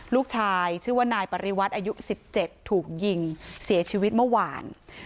ลูกชายชื่อว่านายปริวัติอายุ๑๗ถูกยิงเสียชีวิตเมื่อวาน